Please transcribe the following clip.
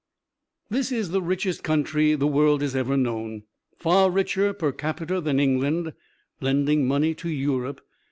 This is the richest country the world has ever known, far richer per capita than England lending money to Europe.